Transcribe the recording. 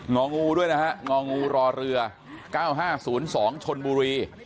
องูด้วยนะฮะงองูรอเรือ๙๕๐๒ชนบุรี